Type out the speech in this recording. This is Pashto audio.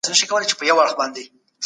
هیڅوک حق نه لري چي د بل چا ږغ ثبت کړي.